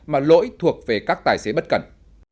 mà lỗi thuộc về các tài xế bất cẩn